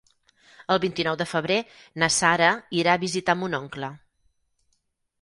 El vint-i-nou de febrer na Sara irà a visitar mon oncle.